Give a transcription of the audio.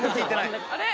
あれ？